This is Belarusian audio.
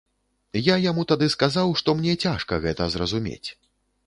Я яму тады сказаў, што мне цяжка гэта зразумець.